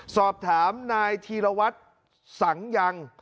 สอบถามนายธีรวัตรสังยัง